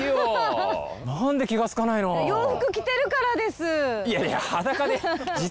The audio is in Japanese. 洋服着てるからです。